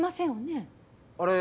あれ？